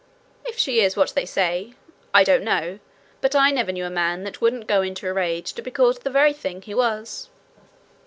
'If she is What they say I don't know but I never knew a man that wouldn't go in a rage to be called the very thing he was.'